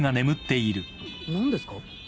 何ですか？